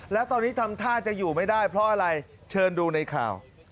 แล้วตอนนี้ทำท่าจะอยู่ไม่ได้เพราะอะไรเชิญดูในข่าว